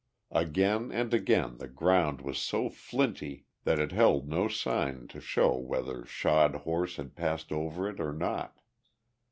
Again and again the ground was so flinty that it held no sign to show whether shod horse had passed over it or not.